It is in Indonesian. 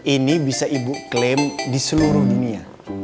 ini bisa ibu klaim di seluruh dunia